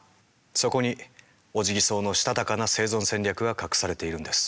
そこにオジギソウのしたたかな生存戦略が隠されているんです。